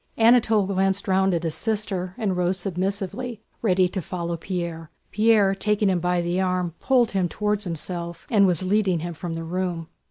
Anatole glanced round at his sister and rose submissively, ready to follow Pierre. Pierre, taking him by the arm, pulled him toward himself and was leading him from the room.